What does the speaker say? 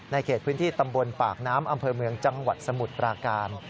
เขตพื้นที่ตำบลปากน้ำอำเภอเมืองจังหวัดสมุทรปราการ